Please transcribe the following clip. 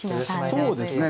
そうですね。